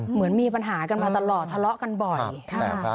เหมือนมีปัญหากันมาตลอดทะเลาะกันบ่อยค่ะ